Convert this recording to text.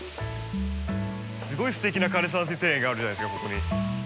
すごいすてきな枯れ山水庭園があるじゃないですかここに。